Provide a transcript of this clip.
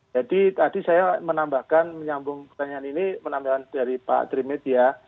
jadi tadi saya menambahkan menyambung pertanyaan ini menambahkan dari pak dream media